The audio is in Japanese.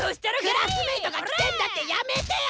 クラスメートが来てんだってやめてよ！